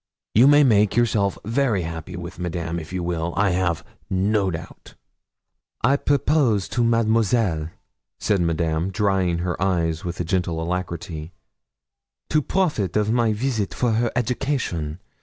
You may make yourself very happy with Madame if you will, I have no doubt.' 'I propose to Mademoiselle,' said Madame, drying her eyes with a gentle alacrity, 'to profit of my visit for her education.